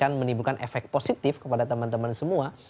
akan menimbulkan efek positif kepada teman teman semua